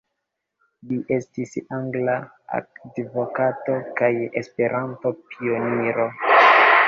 Li estis angla advokato kaj Esperanto-pioniro.